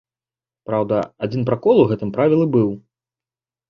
Праўда, адзін пракол у гэтым правілы быў.